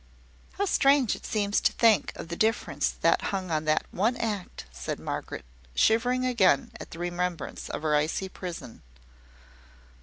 "How strange it seems to think of the difference that hung on that one act!" said Margaret, shivering again at the remembrance of her icy prison.